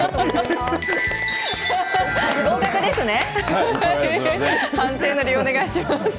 合格ですね。